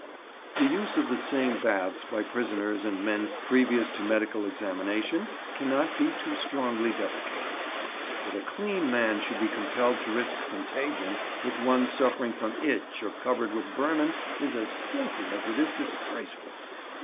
The use of the same baths by prisoners and men previous to medical examination cannot be too strongly deprecated. That a clean man should be compelled to risk contagion with one suffering from itch or covered with vermin is as filthy as it is disgraceful.